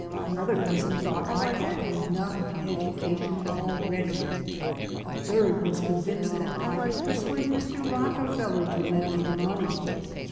Another cousin thought I had enough education already. A third was convinced that I could persuade Mr. Rockefeller to lend me the money.